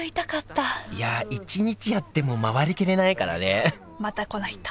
いやあ一日あっても回り切れないからねまた来ないと！